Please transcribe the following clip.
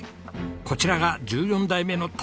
こちらが１４代目の武さん